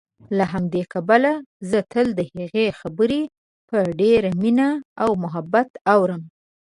له همدې کبله زه تل دهغې خبرې په ډېرې مينې او محبت اورم